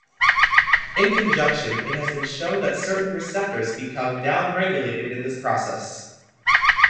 In conjunction, it has been shown that certain receptors become down-regulated in this process.